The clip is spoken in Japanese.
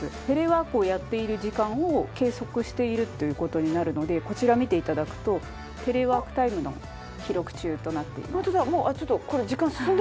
テレワークをやっている時間を計測しているという事になるのでこちら見て頂くと「テレワークタイムの記録中」となっています。